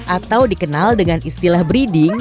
atau dikenal dengan istilah breeding